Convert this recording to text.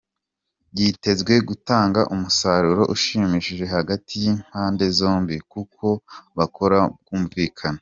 Byitezwe gutanga umusaruro ushimishije hagati y’impande zombi, kuko bakora mu bwumvikane.